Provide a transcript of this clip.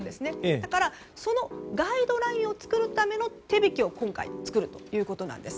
だからそのガイドラインを作るための手引きを今回、作るということです。